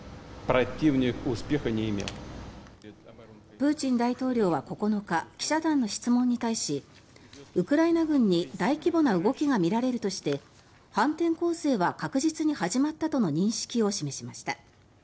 プーチン大統領は９日記者団の質問に対しウクライナ軍に大規模な動きが見られるとして反転攻勢は確実に始まったとの認識を示しました。